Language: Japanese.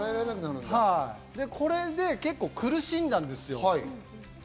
これで結構苦しんだんですよ。